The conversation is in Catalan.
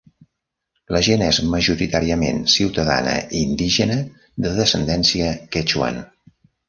La gent és majoritàriament ciutadana indígena de descendència quechuan.